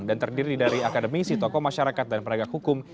dan terdiri dari akademisi tokoh masyarakat dan penegak hukum